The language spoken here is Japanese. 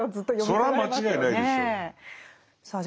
それは間違いないでしょう。